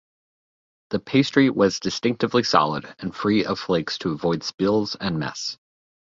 The pastry was distinctively solid and free of flakes to avoid spills and mess.